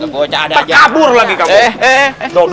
ketakabur lagi kamu